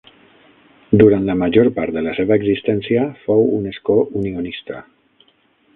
Durant la major part de la seva existència, fou un escó unionista.